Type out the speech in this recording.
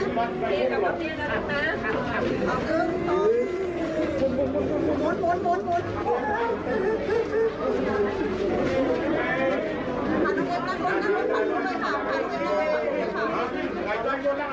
ขอบคุณครับ